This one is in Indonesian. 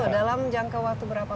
dalam jangka waktu berapa